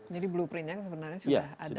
jadi blueprint nya sebenarnya sudah ada ya